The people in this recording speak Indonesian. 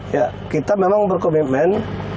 ya kita memang berkomitmen